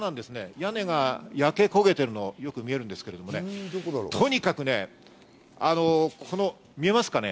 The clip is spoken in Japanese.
屋根が焼け焦げているのがよく見えるんですけれど、見えますか？